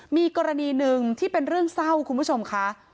มีกรณีหนึ่งที่เป็นเรื่องเศร้าคุณผู้ชมค่ะ